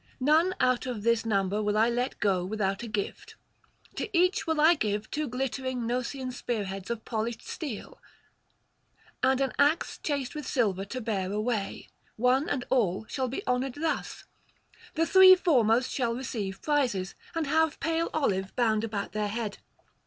None out of this number will I let go without a gift. To each will I give two glittering Gnosian spearheads of polished steel, and an axe chased with silver to bear away; one and all shall be honoured thus. The three foremost shall receive prizes, and have pale olive bound about their head.